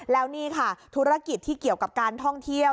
แล้วนี่ค่ะธุรกิจที่เกี่ยวกับการท่องเที่ยว